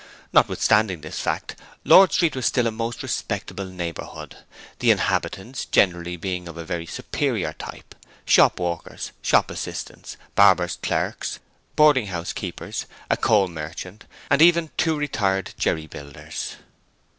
Notwithstanding this fact, Lord Street was still a most respectable neighbourhood, the inhabitants generally being of a very superior type: shop walkers, shop assistants, barber's clerks, boarding house keepers, a coal merchant, and even two retired jerry builders.